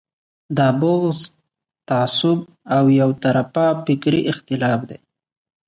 دا بغض، تعصب او یو طرفه فکري اختلاف دی.